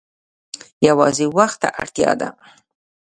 یوازې وخت ته اړتیا ده.